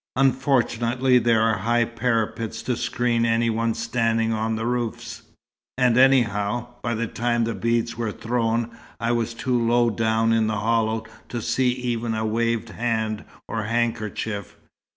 Unfortunately there are high parapets to screen any one standing on the roofs. And anyhow, by the time the beads were thrown, I was too low down in the hollow to see even a waved hand or handkerchief.